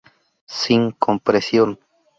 Sin compresión.